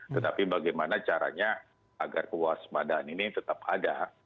tetapi bagaimana caranya agar kewaspadaan ini tetap ada